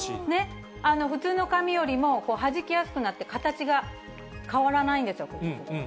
普通の紙よりもはじきやすくなって、形が変わらないんですよ。